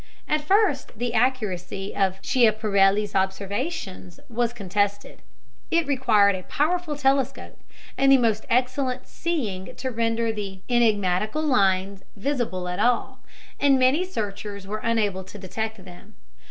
At first the accuracy of Schiaparelli's observations was contested; it required a powerful telescope, and the most excellent "seeing," to render the enigmatical lines visible at all, and many searchers were unable to detect them.